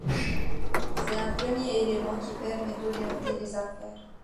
C'est un premier élément qui permet d'orienter les affaires.